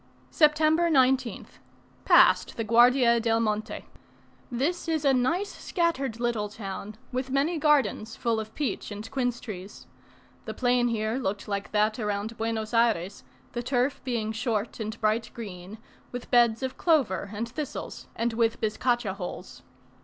September 19th. Passed the Guardia del Monte. This is a nice scattered little town, with many gardens, full of peach and quince trees. The plain here looked like that around Buenos Ayres; the turf being short and bright green, with beds of clover and thistles, and with bizcacha holes.